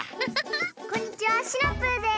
こんにちはシナプーです。